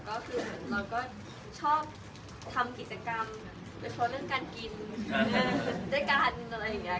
ก็คือเราก็ชอบทำกิจกรรมโดยเฉพาะเรื่องการกินด้วยกันอะไรอย่างนี้